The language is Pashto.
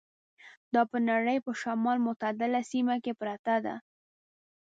دا په نړۍ په شمال متعدله سیمه کې پرته ده.